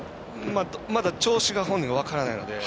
まだ調子が本人も分からないので。